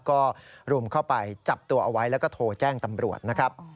ก็รุมเข้าไปจับตัวเอาไว้แล้วก็โทรแจ้งตำรวจนะครับ